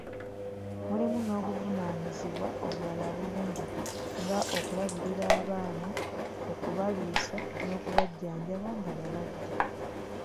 Mulimu n'obuvunaaanyizibwa obulala bungi nga okulabirira abaana, okubaliisa n'okubajjanjaba nga balwadde.